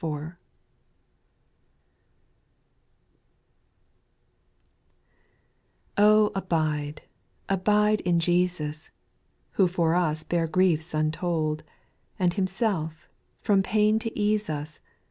f\ ABIDE, abide in Jesus, \j Who ioT us bare griefs untold. And Himself, from pain to ease us.